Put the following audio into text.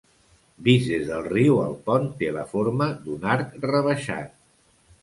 Vist des del riu el pont té la forma d'un arc rebaixat.